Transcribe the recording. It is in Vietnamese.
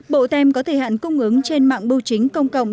bộ tem có thời hạn cung ứng trên mạng bưu chính công cộng